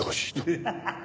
ハハハハ！